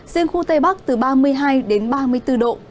riêng khu tây bắc từ ba mươi hai đến ba mươi bốn độ